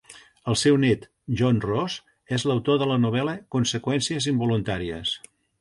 El seu nét, John Ross, és l'autor de la novel·la Conseqüències involuntàries.